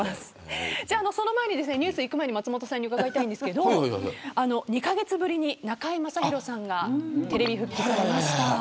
ニュースにいく前に松本さんに伺いたいんですけど２カ月ぶりに中居正広さんがテレビ復帰されました。